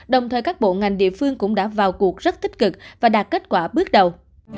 đồng thời các bộ ngành địa phương cũng đã vào cuộc rất tích cực và đạt kết quả bước đầu